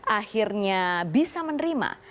akhirnya bisa menerima